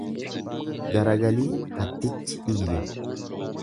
Garagalii hattichi iyye.